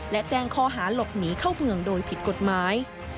และแจ้งข้อหาหลบหนีเข้าเมืองโดยผิดกฎหมาย